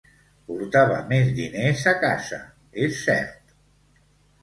Portava més diners a casa, és cert.